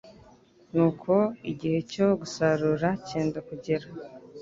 Nuko igihe cyo gusarura cyenda kugera,